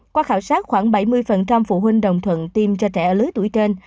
qua khảo sát khoảng bảy mươi phụ huynh đồng thuận tiêm cho trẻ ở lứa tuổi trên